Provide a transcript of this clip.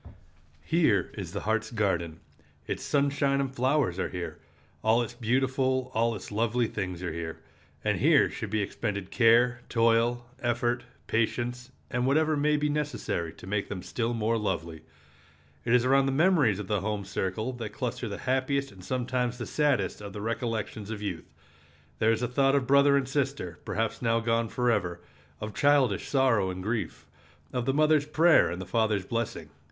Here is the heart's garden. Its sunshine and flowers are here. All its beautiful, all its lovely things are here. And here should be expended care, toil, effort, patience, and whatever may be necessary to make them still more lovely. It is around the memories of the home circle that cluster the happiest and sometimes the saddest of the recollections of youth. There is the thought of brother and sister, perhaps now gone forever; of childish sorrow and grief; of the mother's prayer and the father's blessing.